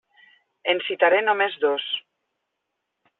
En citaré només dos.